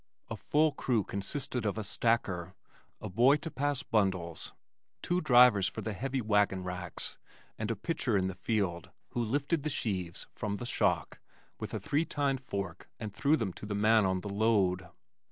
A full crew consisted of a stacker, a boy to pass bundles, two drivers for the heavy wagon racks, and a pitcher in the field who lifted the sheaves from the shock with a three tined fork and threw them to the man on the load.